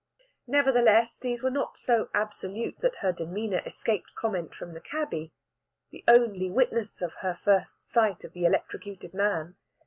Nevertheless, these were not so absolute that her demeanour escaped comment from the cabby, the only witness of her first sight of the "electrocuted" man.